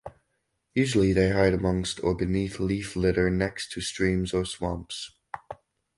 Usually they hide amongst or beneath leaf litter next to streams or swamps.